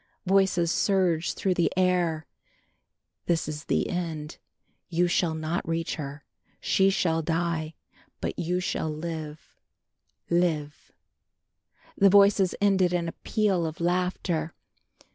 Voices surged through the air. "This is the end, you shall not reach her, she shall die, but you shall live live." The voices ended in a peal of laughter.